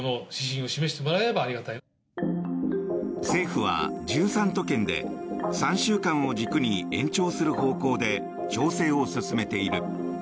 政府は１３都県で３週間を軸に延長する方向で調整を進めている。